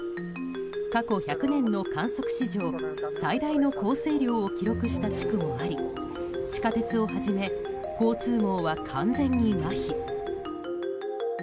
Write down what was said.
過去１００年の観測史上最大の降水量を記録した地区もあり地下鉄をはじめ交通網は完全にまひ。